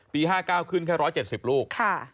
๕๙ขึ้นแค่๑๗๐ลูก